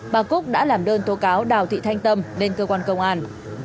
bà cúc đã làm đơn tố cáo đào thị thanh tâm lên cơ quan công an